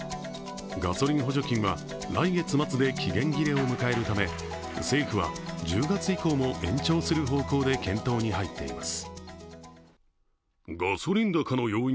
ガソリン補助金は来月末で期限切れを迎えるため、政府は１０月以降も延長する方向で検討に入っています。